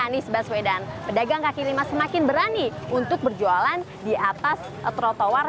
dan di sebas wedan pedagang kaki lima semakin berani untuk berjualan di atas rotowar